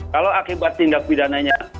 kalau akibat tindak pidananya